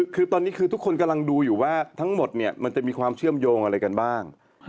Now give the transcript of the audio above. คือตอนนี้คือทุกคนกำลังดูอยู่ว่าทั้งหมดเนี่ยมันจะมีความเชื่อมโยงอะไรกันบ้าง